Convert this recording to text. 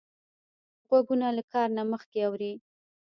غوږونه له کار نه مخکې اوري